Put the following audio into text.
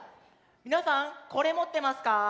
みなさんこれもってますか？